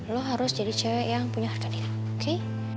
lo harus jadi cewek yang punya harga dinam oke